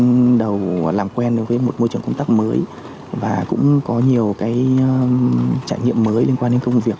tôi cũng đã bắt đầu làm quen với một môi trường công tác mới và cũng có nhiều trải nghiệm mới liên quan đến công việc